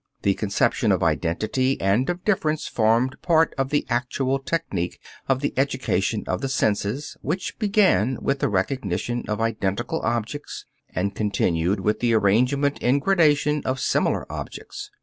The conception of identity and of difference formed part of the actual technique of the education of the senses, which began with the recognition of identical objects, and continued with the arrangement in gradation of similar objects.